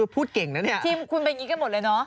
พูดเก่งนะเนี่ย